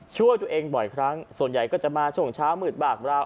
ช่วยตัวเองบ่อยครั้งส่วนใหญ่ก็จะมาช่วงเช้ามืดบ้างราว